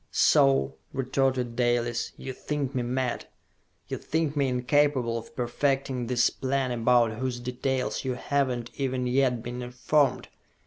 "So," retorted Dalis, "you think me mad? You think me incapable of perfecting this plan about whose details you have not even yet been informed!